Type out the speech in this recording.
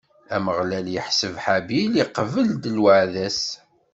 Ameɣlal iḥseb Habil, iqbel-d lweɛda-s.